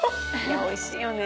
おいしいね。